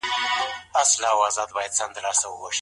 علمي تحقیق له پامه نه غورځول کیږي.